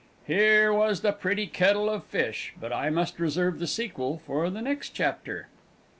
Here was the pretty kettle of fish but I must reserve the sequel for the next chapter.